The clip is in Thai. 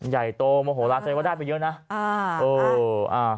ใหญ่โตโมโหลานใจว่าได้ไปเยอะนะ